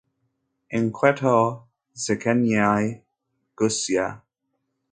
Inkweto zikeneye gusya.